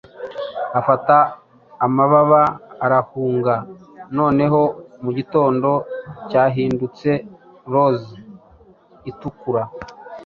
Afata amababa, arahunga; Noneho mugitondo cyahindutse roza itukura.